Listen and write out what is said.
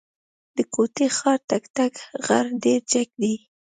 د کوټي ښار تکتو غر ډېر جګ دی.